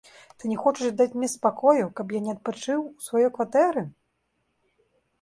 Ты не хочаш даць мне спакою, каб я не адпачыў у сваёй кватэры?